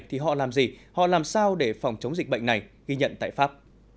thì họ làm gì họ làm sao để phòng chống dịch bệnh này ghi nhận tại pháp